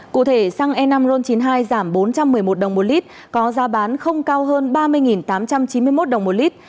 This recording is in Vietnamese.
cụ thể xăng e năm ron chín mươi hai giảm bốn trăm một mươi một đồng một lít có giá bán không cao hơn ba mươi tám trăm chín mươi một đồng một lít